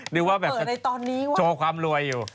ที่ว่าแบบโชว์ความรวยอยู่เปิดอะไรตอนนี้วะ